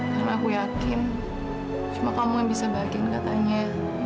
karena aku yakin cuma kamu yang bisa bahagian katanya